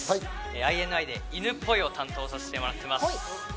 ＩＮＩの犬っぽいを担当させていただいております。